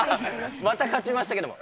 また勝ちましたけども。